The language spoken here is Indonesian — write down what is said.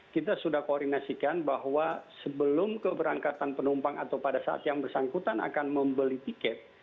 kita sudah koordinasikan bahwa sebelum keberangkatan penumpang atau pada saat yang bersangkutan akan membeli tiket